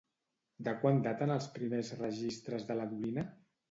De quan daten els primers registres de la dolina?